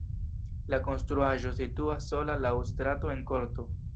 La konstruaĵo situas sola laŭ strato en korto.